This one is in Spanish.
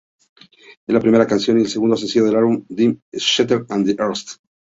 Es la primera canción y el segundo sencillo del álbum Im Schatten der Ärzte.